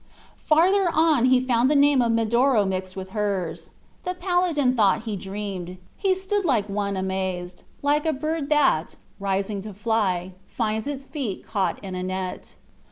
Farther on he found the name of Medoro mixed with hers. The paladin thought he dreamed. He stood like one amazed like a bird that, rising to fly, finds its feet caught in a net.